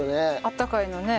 あったかいのね。